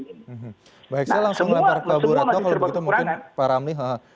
nah semua masih terbatas kekurangan